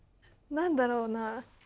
何だろうな。